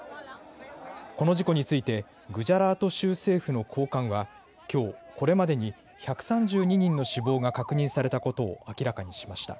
この事故についてグジャラート州政府の高官はきょう、これまでに１３２人の死亡が確認されたことを明らかにしました。